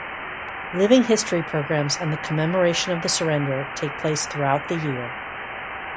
Living history programs and the commemoration of the surrender take place throughout the year.